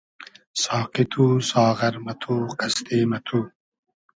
ساقی تو , ساغر مہ تو , قئستې مہ تو